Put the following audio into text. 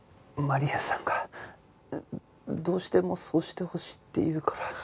マリアさんがどうしてもそうしてほしいって言うから。